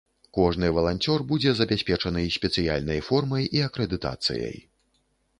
Кожны валанцёр будзе забяспечаны спецыяльнай формай і акрэдытацыяй.